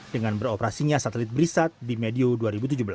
dengan beroperasinya satelit brisat di medio dua ribu tujuh belas